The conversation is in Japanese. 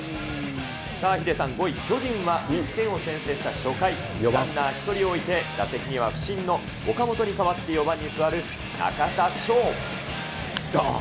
さあ、ヒデさん、５位巨人は１点を先制した初回、ランナー１人を置いて、打席には不振の岡本に代わって４番に座る中田翔。